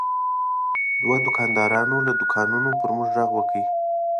دوه دوکاندارانو له دوکانونو پر موږ غږ وکړ.